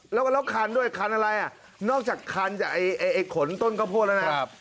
แล้วคันด้วยคันอะไรอ่ะนอกจากคันไอ้ขนต้นกะโพดละนะครับ